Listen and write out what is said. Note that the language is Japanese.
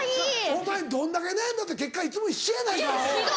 お前どんだけ悩んだって結果いつも一緒やないかアホ。